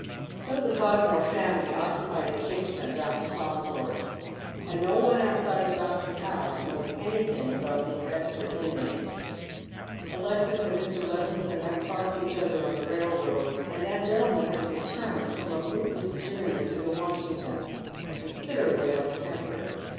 So the Podmore family occupy the kitchen at Dr. Faunthorpe'a, and no on^ outside the doctor's house knows anything about tlieee extra inmates. SG8 Dead Men's Shoes. Alexis and Mr. Levison have crossed each other on the railroad, and that gentleman has returned from a bootless journey to the " Washington," considerably out of temper.